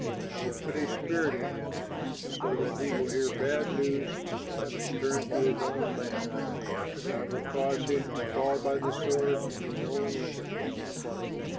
I will put a spirit in him, so that he will hear bad news and return to his own land; and I will cause him to fall by the sword in his own land.'"